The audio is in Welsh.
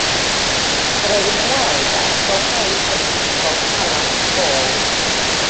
Roedd yn ymweld â ysgolhaig ym Mhrifysgol Talaith Ball.